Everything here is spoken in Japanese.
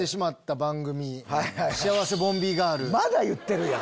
まだ言ってるやん！